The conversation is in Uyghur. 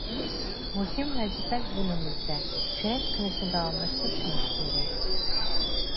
مۇھىم ۋەزىپە زىممىمىزدە، كۈرەش قىلىشنى داۋاملاشتۇرۇشىمىز كېرەك.